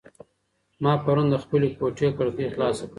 ما پرون د خپلې کوټې کړکۍ خلاصه کړه.